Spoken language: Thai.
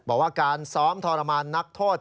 บอกว่าการซ้อมทรมานนักโทษ